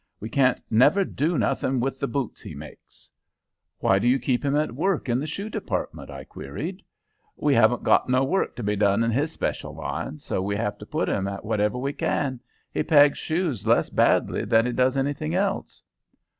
We can't never do nothing with the boots he makes." "Why do you keep him at work in the shoe department?" I queried. "We haven't got no work to be done in his special line, so we have to put him at whatever we can. He pegs shoes less badly than he does anything else."